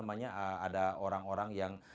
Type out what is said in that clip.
ada orang orang yang